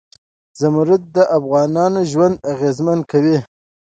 زمرد د افغانانو ژوند اغېزمن کوي.